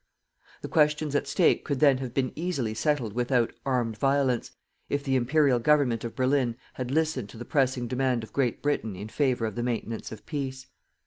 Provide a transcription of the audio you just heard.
The questions at stake could then have been easily settled without "ARMED VIOLENCE," if the Imperial Government of Berlin had listened to the pressing demand of Great Britain in favour of the maintenance of peace.